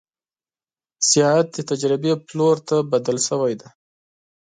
سیاحت د تجربې پلور ته بدل شوی دی.